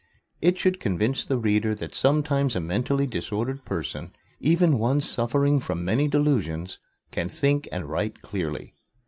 It should convince the reader that sometimes a mentally disordered person, even one suffering from many delusions, can think and write clearly.